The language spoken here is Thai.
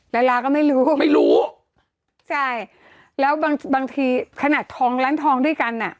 ดาราก็ไม่รู้ไม่รู้ใช่แล้วบางบางทีขนาดทองร้านทองด้วยกันอ่ะ